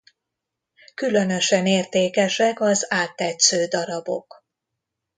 Különösen értékesek az áttetsző darabok.